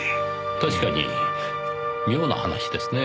確かに妙な話ですね。